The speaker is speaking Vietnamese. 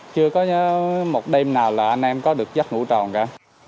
chưa có một đêm nào là anh em có được dắt ngũ tròn cả